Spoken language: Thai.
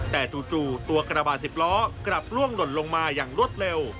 แต่จู่ตัวกระบาด๑๐ล้อกลับล่วงหล่นลงมาอย่างรวดเร็ว